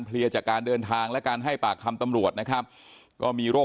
เลียจากการเดินทางและการให้ปากคำตำรวจนะครับก็มีโรค